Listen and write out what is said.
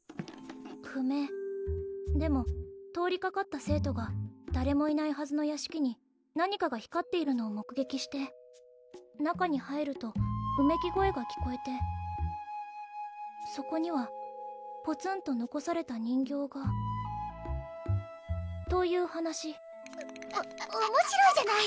不明でも通りかかった生徒が誰もいないはずの屋敷に何かが光っているのを目撃して中に入るとうめき声が聞こえてそこにはぽつんとのこされた人形がという話おおもしろいじゃない！